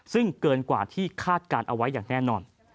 ซึ่งเกินกว่าที่คาดการณ์เอาไว้อย่างแน่นอน